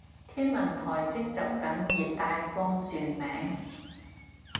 天文台徵集緊熱帶風旋名